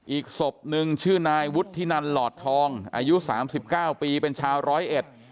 อีกศพหนึ่งชื่อนายวุฒินัลหลอดทองอายุ๓๙ปีเป็นชาวร้อยเอ็ด